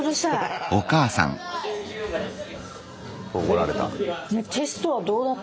怒られた。